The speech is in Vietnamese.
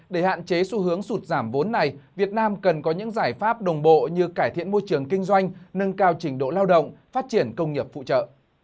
để hạn chế xu hướng sụt giảm vốn này việt nam cần có những giải pháp đồng bộ như cải thiện môi trường kinh doanh nâng cao trình độ lao động phát triển công nghiệp phụ trợ